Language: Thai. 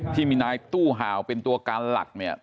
ที่มีนายตู้ห่าวเป็นตัวการหลักเนี่ย